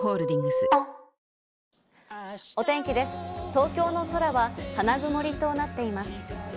東京の空は花曇りとなっています。